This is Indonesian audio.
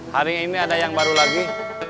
hari ini ada yang baru lagi